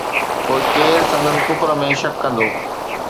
پوءِ ڪير سندن ڪفر ۾ شڪ ڪندو؟